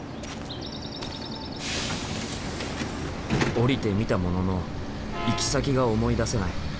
降りてみたものの行き先が思い出せない。